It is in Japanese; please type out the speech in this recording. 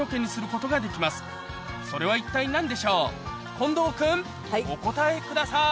近藤君お答えください